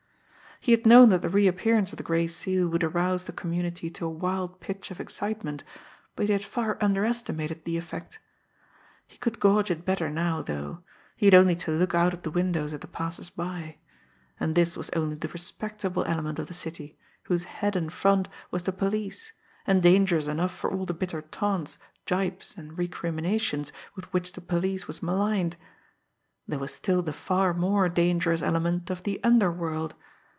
He had known that the reappearance of the Gray Seal would arouse the community to a wild pitch of excitement, but he had far underestimated the effect. He could gauge it better now, though he had only to look out of the windows at the passers by. And this was only the respectable element of the city whose head and front was the police, and dangerous enough for all the bitter taunts, gibes and recriminations with which the police was maligned! There was still the far more dangerous element of the underworld!